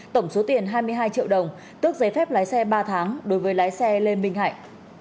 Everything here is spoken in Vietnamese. tổng số tiền hai mươi hai triệu đồng tước giấy phép lái xe ba tháng đối với lái xe lê minh hạnh